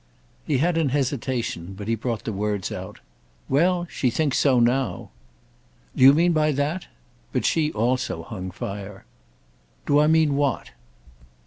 He had an hesitation, but he brought the words out. "Well, she thinks so now." "Do you mean by that—?" But she also hung fire. "Do I mean what?"